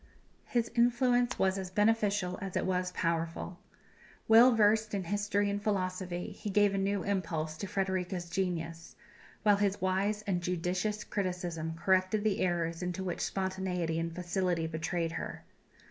His influence was as beneficial as it was powerful. Well versed in history and philosophy, he gave a new impulse to Frederika's genius, while his wise and judicious criticism corrected the errors into which spontaneity and facility betrayed her.